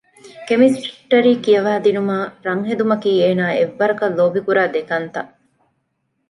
ކެމިސްޓަރީ ކިޔަވައިދިނުމާއި ރަންހެދުމަކީ އޭނާ އެއްވަރަކަށް ލޯބިކުރާ ދެކަންތައް